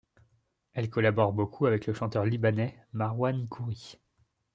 Elle collabore beaucoup avec le chanteur libanais Marwan Khoury.